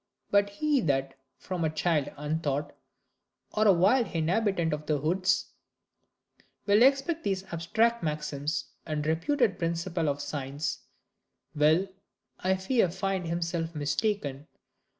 But he that from a child untaught, or a wild inhabitant of the woods, will expect these abstract maxims and reputed principles of science, will, I fear find himself mistaken.